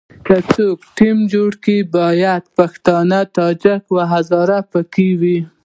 که څوک ټیم جوړوي باید پښتون، تاجک او هزاره په کې وي.